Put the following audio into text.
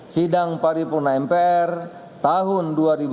sidang paripurna mpr tahun dua ribu sembilan belas